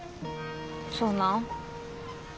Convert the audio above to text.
そうなん？